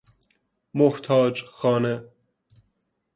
محتاج خانه